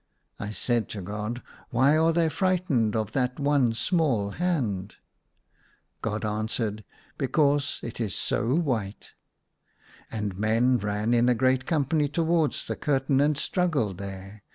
I said to God, " Why are they fright ened of that one small hand ?" God answered, " Because it is so white." And men ran in a great company towards the curtain, and strugi^led there.